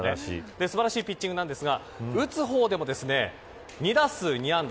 素晴らしいピッチングですが打つ方でも、２打数２安打。